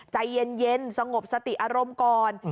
ใจเย็นสงบสติอารมณ์ก่อน